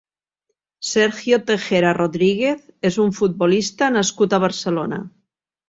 Sergio Tejera Rodríguez és un futbolista nascut a Barcelona.